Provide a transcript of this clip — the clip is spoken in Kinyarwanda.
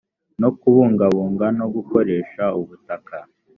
no kubungabunga no gukoresha ubutaka